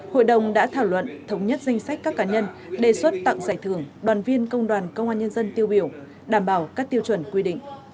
hội đồng đã thảo luận thống nhất danh sách các cá nhân đề xuất tặng giải thưởng đoàn viên công đoàn công an nhân dân tiêu biểu đảm bảo các tiêu chuẩn quy định